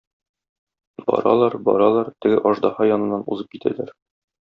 Баралар-баралар, теге аждаһа яныннан узып китәләр.